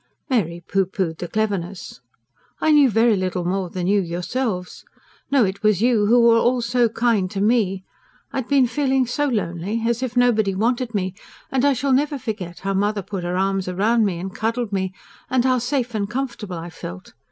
Mary pooh poohed the cleverness. "I knew very little more than you yourselves. No, it was you who were all so kind to me. I had been feeling so lonely as if nobody wanted me and I shall never forget how mother put her arms round me and cuddled me, and how safe and comfortable I felt.